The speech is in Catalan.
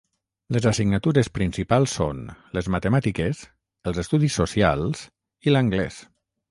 Les assignatures principals són les matemàtiques, els estudis socials i l'anglès.